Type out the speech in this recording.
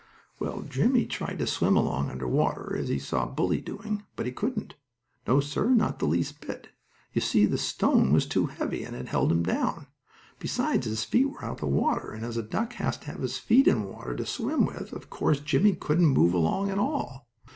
Well, Jimmie tried to swim along under water, as he saw Bully doing, but he couldn't. No, sir, not the least bit. You see the stone was too heavy, and it held him down. Besides, his feet were out of the water, and as a duck has to have his feet in water to swim with, of course, Jimmie couldn't move along at all.